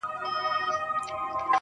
پاچا ورغى د خپل بخت هديرې ته؛